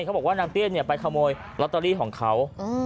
เขาบอกว่านางเตี้ยไปขโมยลอตเตอรี่ของเขา